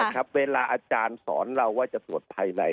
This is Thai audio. ครับเวลาอาจารย์สอนเราว่าจะสวดภายใน